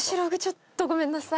ちょっとごめんなさい。